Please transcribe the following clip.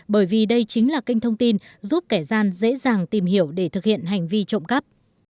bởi vì đây chính là kênh thông tin giúp kẻ gian dễ dàng tìm hiểu để thực hiện hành vi trộm cắp